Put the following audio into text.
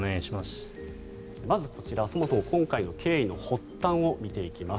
まずこちらそもそも今回の経緯の発端を見ていきます。